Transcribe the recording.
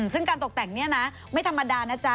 ซึ่งการตกแต่งเนี่ยนะไม่ธรรมดานะจ๊ะ